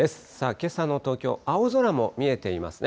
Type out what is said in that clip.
けさの東京、青空も見えていますね。